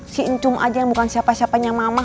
si encum aja yang bukan siapa siapanya mama